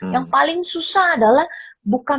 yang paling susah adalah bukan